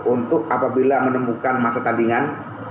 untuk apabila menemukan masa tandingan